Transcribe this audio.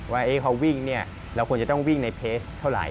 ว่าพอวิ่งเราควรจะต้องวิ่งในเทสเท่าไหร่